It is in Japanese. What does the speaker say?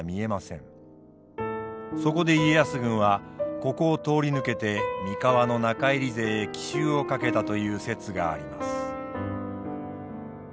そこで家康軍はここを通り抜けて三河の中入り勢へ奇襲をかけたという説があります。